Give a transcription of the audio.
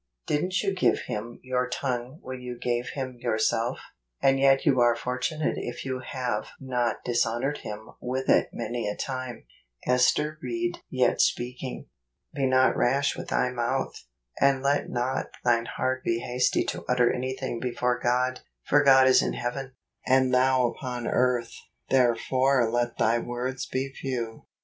Didn't you give Him your tongue when you gave Him yourself ? And yet you are fortunate if you have not dis¬ honored Him with it many a time. Ester Ried Yet Speaking. " Be not rash with thy mouth, and let not thine heart be hasty to utter anything before God: for God is in heaven, and thou upon earth: therefore let thy words be few."